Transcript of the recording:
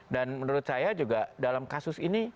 dan menurut saya juga dalam kasus ini